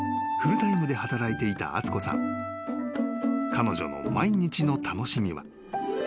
［彼女の毎日の楽しみは］